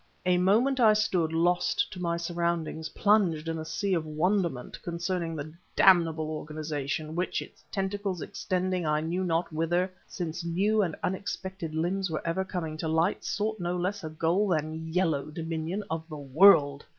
A moment I stood, lost to my surroundings, plunged in a sea of wonderment concerning the damnable organization which, its tentacles extending I knew not whither, since new and unexpected limbs were ever coming to light, sought no less a goal than Yellow dominion of the world!